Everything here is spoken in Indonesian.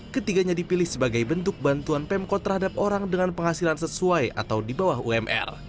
ketiganya dipilih sebagai bentuk bantuan pemkot terhadap orang dengan penghasilan sesuai atau di bawah umr